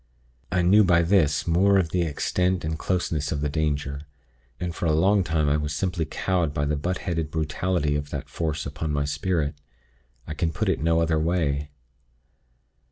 I knew by this more of the extent and closeness of the danger; and for a long time I was simply cowed by the butt headed brutality of that Force upon my spirit. I can put it no other way.